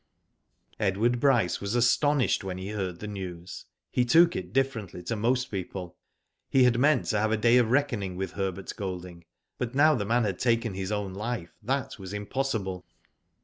Edward Bryce was astonished when he heard the news. He took it differently to most people. He had meant to have a day of reckoning with Herbert Golding, but now the man had taken his own life that was impossible.